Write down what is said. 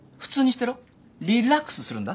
リラックスするんだ。